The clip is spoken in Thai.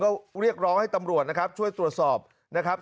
ก็เรียกร้องให้ตำรวจนะครับช่วยตรวจสอบนะครับ